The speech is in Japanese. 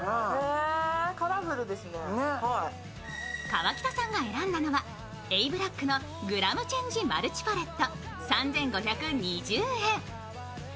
河北さんが選んだのはＡ．ＢＬＡＣＫのグラムチェンジマルチパレット３５２０円。